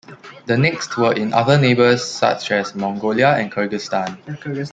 The next were in other neighbors such as Mongolia and Kyrgyzstan...